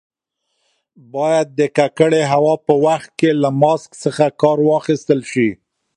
باید د ککړې هوا په وخت کې له ماسک څخه کار واخیستل شي.